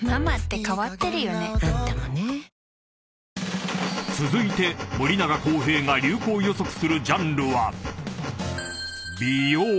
サントリー［続いて森永康平が流行予測するジャンルは］